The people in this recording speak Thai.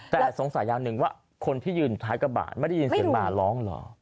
แต่สงสัยอย่างหนึ่งว่าคนที่ยืนท้ายกระบาดไม่ได้ยินเสียงหมาร้องเหรอ